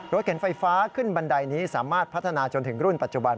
เข็นไฟฟ้าขึ้นบันไดนี้สามารถพัฒนาจนถึงรุ่นปัจจุบัน